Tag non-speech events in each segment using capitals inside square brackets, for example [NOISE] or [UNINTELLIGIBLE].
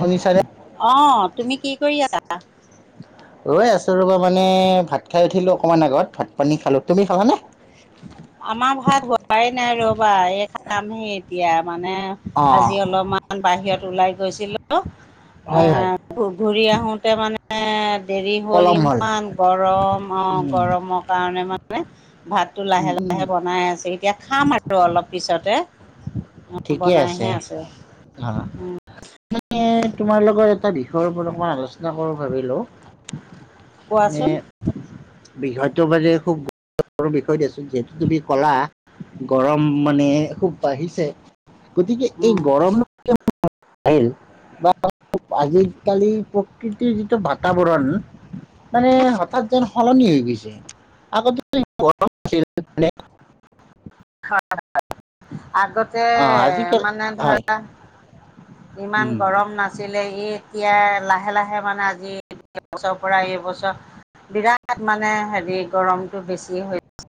শুনিছানে? অ, তুমি কি কৰি আছা? ৰৈ আছো ৰ'বা, মানে ভাত খাই উঠিলো অকমান আগত, ভাত পানী খালো। তুমি খালানে? আমাৰ ভাত হোৱাই নাই ৰ'বা। এই খামহে এতিয়া। মানে, আজি অ', অলপমান বাহিৰত ওলাই গৈছিলো হয় হয়, অহ, ঘূৰি আহোতে মানে দেৰি হ'ল, ইমান গৰম, অ, উম, গৰমৰ কাৰণে মানে ভাতটো লাহে উম, - লাহে উম, এতিয়াহে বনাই আছো। এতিয়া খাম আৰু অলপ পিছতে। ঠিকেই আছে। বনাইহে আছোঁ, অ, উম, মই তোমাৰ লগৰ এটা বিষয়ৰ ওপৰত অকমান আলোচনা কৰো ভাবিলো। কোৱাচোন [UNINTELLIGIBLE] বৃহৎ [UNINTELLIGIBLE] খুব গুৰুত্বপূৰ্ণ বিষয় বস্তু যে বুলি যে ক'লা গৰম মানে খুওব বাঢ়িছে। গতিকে এই উম। গৰম [UNINTELLIGIBLE] আজি কালি প্ৰকৃতিৰ যিটো বাতাবৰণ মানে হঠাৎ যেন সলনি হৈ গৈছে। আগতে [UNINTELLIGIBLE] [INAUDIBLE] [UNINTELLIGIBLE] আগতে অ' আজিকালি মানে হয় ধৰা, ইমান উম, গৰম নাছিল। এই এতিয়া লাহে - লাহে মানে আজি সেইবছৰৰ পৰা এইবছৰ বিৰাট মানে হেৰি গৰমটো বেছি হৈছে।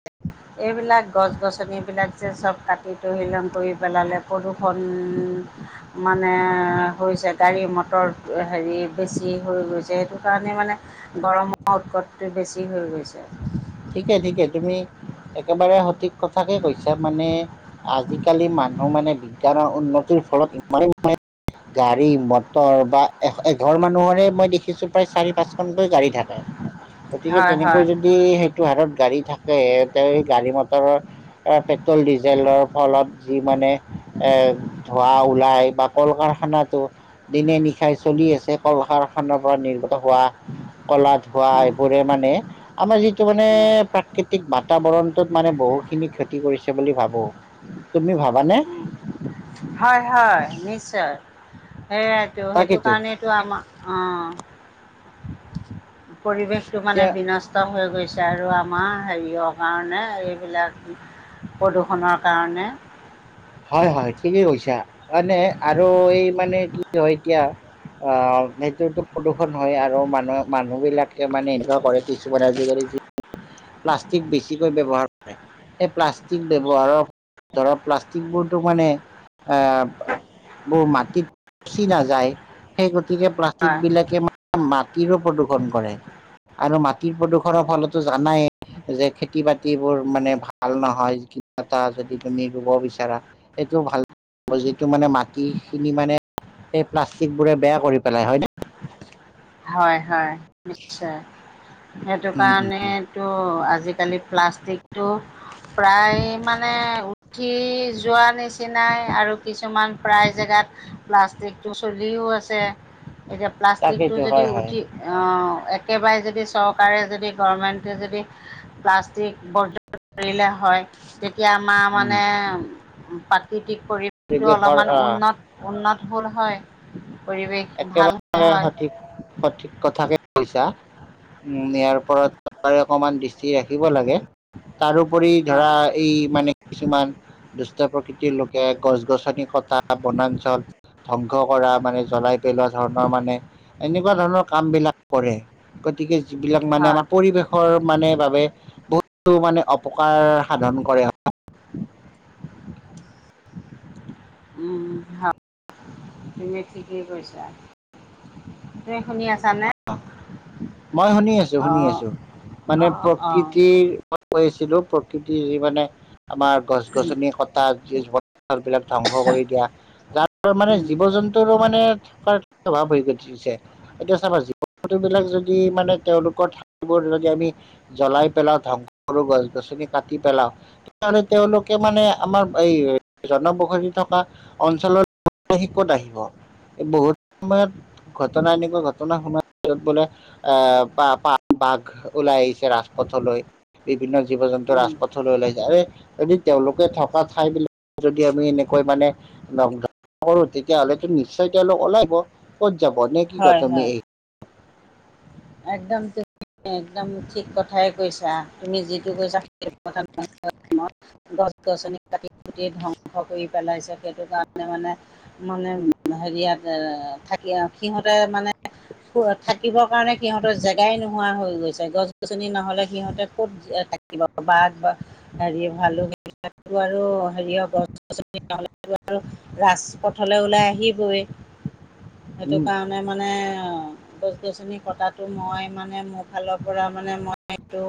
এইবিলাক গছ-গছনিবিলাক যে সব কাটি তহিলং কৰি পেলাল। প্ৰদূষণ মানে হৈছে, গাড়ী-মটৰ হেৰি বেছি হৈ গৈছে। সেইটো কাৰণে মানে গৰমৰ উৎকটটো বেছি হৈ গৈছে। ঠিকে- ঠিকে, তুমি একেবাৰে সঠিক কথাকে কৈছা। মানে আজি কালি মানুহ মানে বিজ্ঞানৰ উন্নতিৰ ফলত ইমানেই মানে গাড়ী মটৰ বা এ এঘৰ মানুহৰে মই দেখিছো, প্ৰায় চাৰি পাচখনকৈ গাড়ী থাকে। গতিকে হয় তেনেকৈ হয় যদি সেইটো হাৰত গাড়ী থাকে, তে গাড়ী মটৰৰ পেট্ৰল-ডিজেলৰ ফলত যি মানে এহ, ধোৱা ওলাই বা কল-কাৰখানাতো দিনে নিশাই চলি আছে। কল কাৰখানাৰ পৰা নিৰ্গত হোৱা ক'লা ধোঁৱা, এইবোৰে মানে আমাৰ যিটো মানে প্ৰাকৃতিক বাতাবৰণ মানে বহুখিনি ক্ষতি কৰিছে বুলি ভাবো, তুমি ভাবানে? হয়-হয়, নিশ্চয়। সেইয়াতো, সেইটো তাকেতো কাৰণেতো আমাৰ অ'। পৰিৱেশটো মানে এতিয়া বিনষ্ট হৈ গৈছে আৰু আমাৰ হেৰিয় কাৰণে এইবিলাক প্ৰদূষণৰ কাৰণে। হয়, হয়, ঠিকেই কৈছা। [UNINTELLIGIBLE] আৰু এই মানে কি হয় এতিয়া অ', সেইটোতো প্ৰদূষণ হয় আৰু মানুহ মানুহবিলাকে মানে এনেকুৱা কৰে কিছুমান আজি-কালি প্লাষ্টিক বেছিকৈ ব্যৱহাৰ কৰে সেই প্লাষ্টিক ব্যৱহাৰক ধৰক প্লাষ্ট একদম মানে আহ বো মাটিত পচি নাযায় সেই গতিকে প্লাষ্টিক হয় বিলাকে মা মাটিৰো প্ৰদূষণ কৰে আৰু মা টি প্ৰদূৰণৰ ফলতো জানায়ে। যে খেতি বাতিবোৰ মানে ভাল নহয় কিবা এটা যদি তুমি ৰুব বিচ ৰা সেইটো ভাল যিটো মানে মাটি খিনি মানে এই প্লাষ্টিক বোৰে বেয়া কৰি পেলাই হয় নে। হয়- হয় নিশ্চয় সেইটো উম উম কাৰণেতো আজি আজিকালি প্লাষ্টিকটো প্ৰায় মানে উঠি যোৱা নিচিনাই আৰু কিছুমান প্ৰায় জেগাত লাষ্ট টিকটো চলিও আছে এতিয়া প্লাষ্টিকটো তাকেইতো যদি হয় হয় উঠি অ একেবাৰে যদি চৰকাৰে যদি গভৰ্মেণ্টে যদি প্লাষ্টিক বৰ্জ কৰিলে হয় তেতিয়া আমাৰ উম মানে প্ৰাকৃতিক পৰিৱেশটো পৰিৱেশৰ অলপমান আহ উন্নত- উন্নত হ'ল হয় পৰিৱেশ ভাল হ'ল হয়। ঠিক সঠিক কথাকে কৈছা উম ইয়াৰ ওপৰত চৰকাৰে অকমান দৃষ্টি ৰাখিব লাগে। তাৰোপৰি ধৰা হয় এই মানে কিছুমান দুষ্ট প্ৰকৃতি ৰ লোকে গছ গছনি কটা বনাঞ্চল ধ্বংস কৰা মানে জ্বলাই [UNINTELLIGIBLE] ধৰণৰ মানে এনেকুৱা ধৰণৰ কাম বিলাক কৰে গতিকে যিবিলাক মানে হয় আমাৰ পৰিৱেশৰ মানে বাবে বহুতো মানে অপকাৰ সাধন কৰে। উম, হয় তুমি ঠিকে কৈছা। তুমি শুনি আছানে। অ'। মই শুনি অ আছো-শুনি আছো মানে অ অ প্ৰকৃতিৰ মই কৈ আছিলো প্ৰ কৃতি মানে আমাৰ গছ গছনি কটা যি [UNINTELLIGIBLE] বিলাক ধ্বংস কৰি দিয়া যাৰ মানে উম জীৱ জন্তুৰো মানে থকাৰ প্ৰভাৱ হৈ গৈছে এতিয়া চাবা জীৱ জন্তু বিলাক য যদি মানে তেওঁলোকৰ ঠাই বোৰ যদি আমি জ্বলাই পেলাও ধ্বংস কৰো গছ গছনি কাটি পেলাও তেতিয়াহ'লে তেওঁলোকে মানে আমাৰ এই জনবসতি থকা অঞ্চলত নাহি ক'ত আহিব। বহুত সময়ত ঘটনা এনেকুৱা ঘটনা শুনাৰ পিছত বোলে আ বা পা বাঘ ওলাই আহিছে ৰাজপথলৈ। বিভিন্ন জীৱ- জন্তুৰ উম ৰাজপথলৈ ওলাই যায় আৰু যদি তেওঁলোকে থকা ঠাই বিলাক যদি আমি এনেকৈ মানে [UNINTELLIGIBLE] কৰো তেতিয়াহ'লে নিশ্চয় তেওঁলোক ওলাই আহিব ক'ত যাব নেকি কয় হয় [UNINTELLIGIBLE] হয় এই। একদম [UNINTELLIGIBLE] একদম ঠিক কথাই কৈছা। তুমি যিটো কৈছা সেইটো কথা [UNINTELLIGIBLE] [UNINTELLIGIBLE] গছ-গছনি কাটি কুটি ধ্বংস কৰি পেলাইছে সেইটো কাৰণে মানে- মানে হেৰিয়াত এ থাকে সিহঁতে মানে পুৱাত থাকিবৰ কাৰণে সিহঁতৰ জেগাই নোহোৱা হৈ গৈছে গছ গছনি নহ'লে সিহঁতে ক'ত এ থাকিব বাঘ বা হেৰি ভালুক সেইবিলাক আৰু হেৰিয়ে হব গছ গছনিলে নহলে আৰু ৰাজ পথলৈ ওলাই আহিবই [UNINTELLIGIBLE] সেইটো কাৰণে মানে গছ গছনি কটাটো মই মানে মোৰ ফালৰ পৰা মানে মই এইটো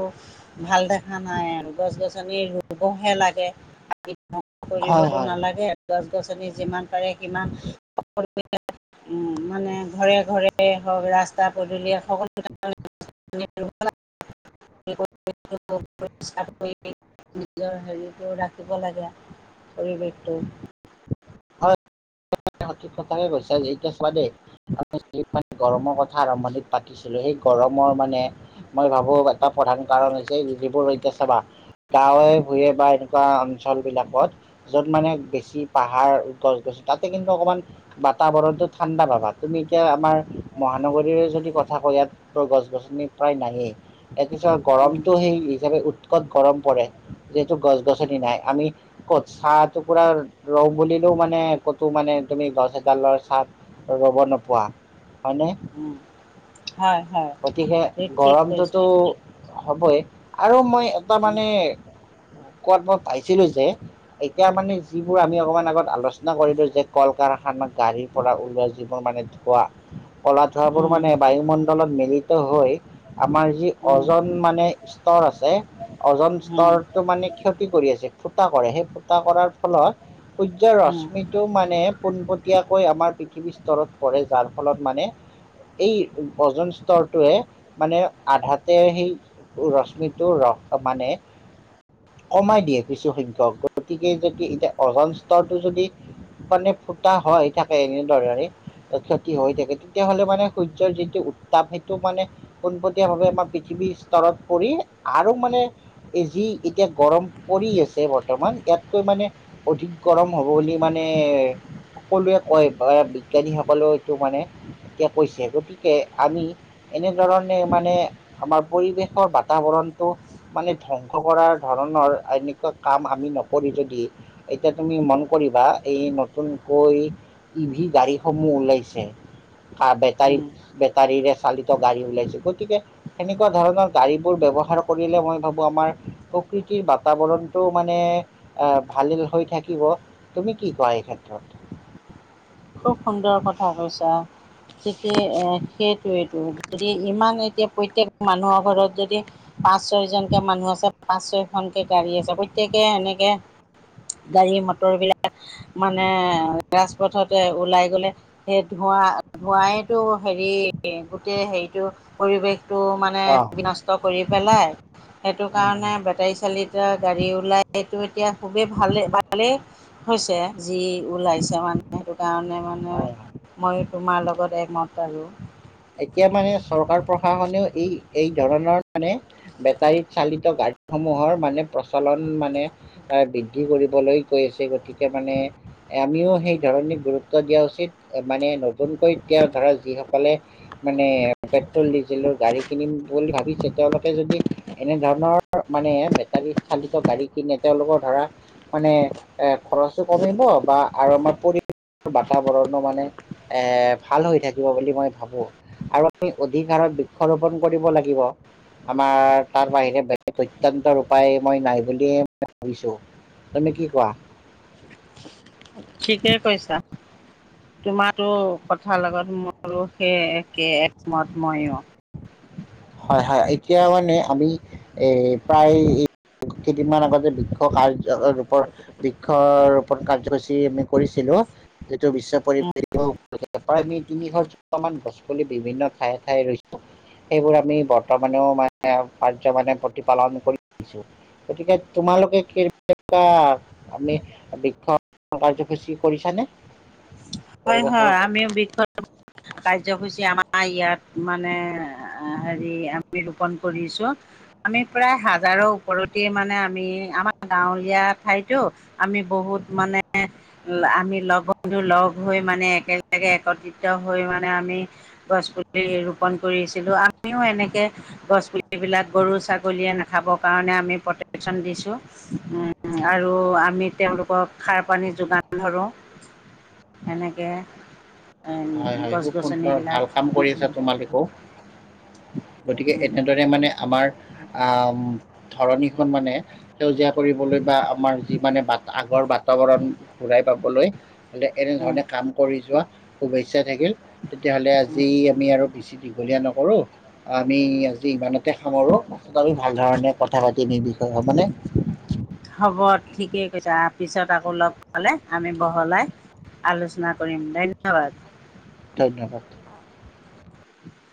ভাল দেখা নাই আৰু গছ গছ গছনি ৰুবহে লাগে কাটি ধংস হয় কৰিবতো হয় নালাগে গছ গছনি যিমান পাৰে সিমান উম মানে ঘৰে ঘৰে হওক ৰাস্তাত পদুলিয়েই সকলো [UNINTELLIGIBLE] [UNINTELLIGIBLE] নিজৰ হেৰিটো ৰাখিব লাগে পৰিৱেশটো হয় সঠিক কথাকে কৈছো যেতিয়া চোৱা দেই আমি গৰমৰ কথা আৰম্ভণিত পাতিছিলো এ সেই গৰমৰ মানে মই ভাবো এটা প্ৰধান কাৰণ হৈছে যিবোৰ এতিয়া চাবা গাঁৱে ভূঞে বা এনেকুৱা অঞ্চল বিলাকত য'ত মানে বেছি পাহাৰ গছ গছন তাত কিন্তু অকমান বাতাবৰণ টো ঠাণ্ডা পাবা তুমি এতিয়া আমাৰ মহানগৰীৰে যদি কথা কৈ গছ গছনি প্ৰায় নায়েই এক হিচাপে উম গৰমটো সেই হিচাপে উৎকট গৰম পৰে যিহেতু গছ গছনি নাই আমি কত চাহ টুকুৰা ৰওঁ বুলিলেও মানে ক'তো মানে তুমি গছ এডালৰ ছা ত ৰ'ব নোপোৱা হয় নে উম হয় হয় গতিকে এই ঠিক কৈছা গৰমটোতো হ'বই আৰু মই এটা উম মানে কত বা পাইছিলো যে এতিয়া মানে যিবোৰ আমি অকমান আগত আলোচনা চনা কৰিলো যে কল কাৰখানা গাড়ীৰ পৰা ওলোৱা যিবোৰ মানে ধোঁৱা কলা ধোঁৱাবোৰ উম মানে বায়ুমণ্ডলত মিলিত হৈ আমাৰ যি উম অজন মানে স্তৰ আছে অজন উম উম স্তৰটো মানে ক্ষতি কৰি আছে ফুটা কৰে সেই ফুটা কৰাৰ ফলত সূৰ্যৰ ৰশ শ্মিটো মানে পোনপটীয়াকৈ আমাৰ পৃথিৱীৰ স্তৰত পৰে যাৰ ফলত মানে এই অজন স্তৰটোৱে মানে আধাতে সেই ৰশ্মিটো ৰ মানে কমাই দিয়ে কিছুসংখ্যক গতিকে যদি এতিয়া অজান স্তৰটো যদি মানে ফুটা হৈ থাকে এনেধৰণৰে ক্ষতি হৈ থাকে তেতিয়াহ'লে মানে সূৰ্যৰ যিটো উত ত সেইটো মানে পোনপটীয়া ভাৱে আমাৰ পৃথিৱীৰ স্তৰত পৰি আৰু মানে যি এতিয়া গৰম পৰি আছে বৰ্তমান ইয়াতকৈ মানে অধিক গৰম হ'ব বুলি মানে মানে সকলোৱে কয় বা বিজ্ঞানীসকলেও এইটো মানে এতিয়া কৈছে গতিকে আমি এনেধৰণে মানে আমাৰ পৰিৱেশৰ বাতাবৰণ টো মানে ধ্বংস কৰা ধৰণৰ এনেকুৱা কাম আমি নকৰি যদি এতিয়া তুমি মন কৰিবা এই নতুনকৈ টিভি গাড়ীসমূহ ওলাইছে বেটাৰী উম বেটাৰীৰে চালিত গাড়ী ওলাইছে গতিকে সেনেকুৱা ধৰণৰ গাড়ী বোৰ বে ব্যৱহাৰ কৰিলে মই ভাবো আমাৰ প্ৰকৃতিৰ বাতাবৰণটো মানে আ ভাল হৈ থাকিব তুমি কি কোৱা এই ক্ষেত্ৰত খুব সুন্দৰ কথা কৈছা ঠিকেই সেইটোৱেইটো যদি ইমান এতিয়া প্ৰত্যেক মানুহৰ ঘৰত যদি পাঁচ ছয় জনকে মানুহ আছে পাঁচ ছয়খনকে গাড়ী আছে প্ৰত্যেকে এনেকে গাড়ী মটৰ বিলাক মানে ৰাজপথত ওলাই গ'লে সেই ধোঁৱা ধোঁৱাইতো হেৰি গোটেই হেৰিটো পৰিৱেশ টো মানে অ বিনষ্ট কৰি পেলাই সেইটো কাৰণে বেটাৰী চালিত গাড়ী ওলাইটো এতিয়া খুবেই ভালেই ভালেই হৈছে যি ওলাইছে মানে সেইটো কাৰণে মানে হয় হয় মইও তোমাৰ লগত একমত আৰু এতিয়া মানে চৰকাৰ প্ৰশাসনেও এই এই ধৰণৰ মানে বেটাৰী চালিত গাড়ী সমূহৰ মানে প্ৰচলন মানে এ বৃদ্ধি কৰিবলৈ গৈ আছে গতিকে মানে আমিও সেই ধৰণী গুৰুত্ব দিয়া উচিত মানে নতুনকৈ এতিয়া ধৰা যিসকলে মানে পেট্ৰল, ডিজেলৰ গাড়ী কিনিম বুলি ভাবিছে, তেওঁলোকে যদি এনে ধৰণৰ মানে বেটাৰী চালিত গাড়ী কিনে তেওঁলোকৰ ধৰা মানে এ খৰচো কমিব বা আৰু আমাৰ পৰিৱেশৰ বাতাবৰণো মানে এ ভাল হৈ থাকিব বুলি মই ভাবো আৰু আমি অধিক হাৰত বৃক্ষৰোপন কৰিব লাগিব আমাৰ তাৰ বাহিৰে বেলেগ অত্য়ন্তৰ উপায় মই নাই বুলিয়ে ম ভাবিছোঁ। তুমি কি কোৱা? ঠিকেই কৈছা। তোমাৰো কথাৰ লগত মোৰো সেই একে একমত, ময়ো [INAUDIBLE] হয়, হয় এতিয়া মানে আমিও এ প্ৰায় কেইদিনমান আগতে, বৃক্ষ কাৰ ৰপ বৃক্ষ ৰূপণ কাৰ্যসূচী আমি কৰিছিলো যিটো বিশ্ব পৰিৱেশৰ, প্ৰায় আমি তিনিশ মান গছ পুলি বিভিন্ন ঠায়ে - ঠায়ে ৰুইছো। সেইবোৰ আমি বৰ্তমানেও মানে, মানে প্ৰতিপালন কৰিছো, গতিকে তোমালোক আমি বৃক্ষ কাৰ্যসূচী কৰিছানে? হয়, পৰিৱেশৰ হয় বাবে আমিও, বৃক্ষ কাৰ্যসূচী আমাৰ ইয়াত মানে, হেৰি আমি ৰোপন কৰিছো। আমি প্ৰায় হাজাৰৰ ওপৰত গোটেই মানে আমি আমাৰ গাঁৱলীয়া ঠাইটো। আমি বহুত মানে আমি লগ বন্ধু লগ হৈ মানে একেলগে একত্ৰিত, হৈ মানে আমি গছ পুলি ৰোপন কৰিছিলোঁ আমিও এনেকৈ গছপুলিবিলাক গৰু ছাগলীয়ে নাখাবৰ কাৰণে আমি প্ৰটেক্যচন দিছোঁ। আৰু আমি তেওঁলোকক সাৰ পানী যোগান ধৰোঁ [INAUDIBLE] এনেকে হয়, হয় গছ খুব সুন্দৰ, গছনিবিলাক। ভাল কাম কৰি আছা তোমালোকো গতিকে, উম এনেদৰে মানে আমাৰ আহ ধৰণীখন মানে সেউজীয়া কৰিবলৈ বা আমাৰ। যি মানে বা আগৰ বাতাবৰণ ঘূৰাই পাবলৈ হলে উম, এনেধৰণে কাম কৰি যোৱা, শুভেচ্ছা থাকিল, তেতিয়াহ'লে উম, আজি আমি আৰু বেছি দীঘলীয়া ন কৰো আমি আজি ইমানতে সামৰো, আমি ভাল ধৰণে কথা পাতিম এই বিষয়ে হবনে। [INAUDIBLE] হ'ব ঠিকেই কৈছা, পিছত আকৌ লগ পালে আমি বহলাই আলোচনা কৰিম ধন্যবাদ। ধন্যবাদ। [INAUDIBLE]